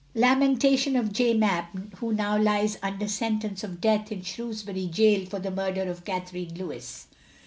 LAMENTATION OF J. MAPP, _Who now lies under Sentence of Death in Shrewsbury Gaol, for the Murder of Catherine Lewis.